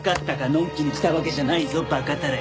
のんきに来たわけじゃないぞ馬鹿たれ。